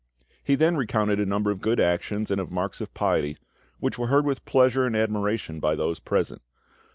He then recounted a number of good actions and of marks of piety, which were heard with pleasure and admiration by those present.